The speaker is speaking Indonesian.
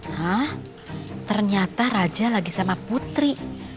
ah ternyata raja lagi sama putri